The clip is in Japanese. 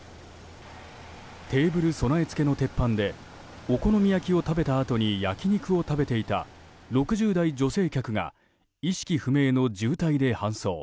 テーブル備え付けの鉄板でお好み焼きを食べたあとに焼き肉を食べていた６０代女性客が意識不明の重体で搬送。